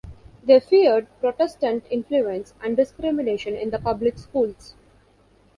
They feared Protestant influence and discrimination in the public schools.